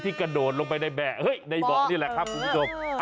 ที่กระโดดลงไปในแบะเฮ้ยในเบาะนี่แหละครับคุณผู้ชม